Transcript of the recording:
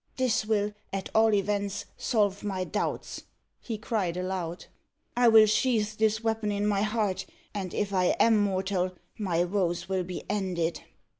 "This will, at all events, solve my doubts," he cried aloud. "I will sheathe this weapon in my heart, and, if I am mortal, my woes will be ended."